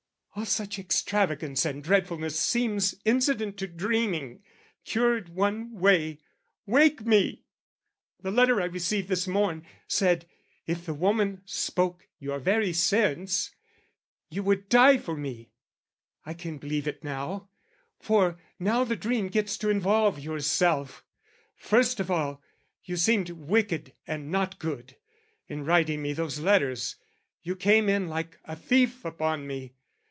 "All such extravagance and dreadfulness "Seems incident to dreaming, cured one way, "Wake me! The letter I received this morn, "Said if the woman spoke your very sense "'You would die for me:' I can believe it now: "For now the dream gets to involve yourself. "First of all, you seemed wicked and not good, "In writing me those letters: you came in "Like a thief upon me.